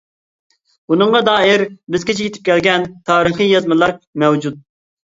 بۇنىڭغا دائىر بىزگىچە يېتىپ كەلگەن تارىخىي يازمىلار مەۋجۇت.